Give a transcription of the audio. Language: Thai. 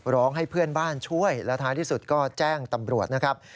ร้องให้เพื่อนบ้านช่วยแล้วท้ายที่สุดก็แจ้งตำรวจนะครับ